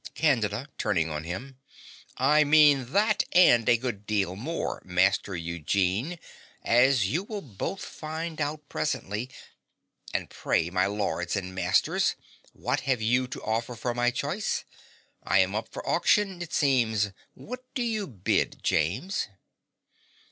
CANDIDA (turning on him). I mean that and a good deal more, Master Eugene, as you will both find out presently. And pray, my lords and masters, what have you to offer for my choice? I am up for auction, it seems. What do you bid, James?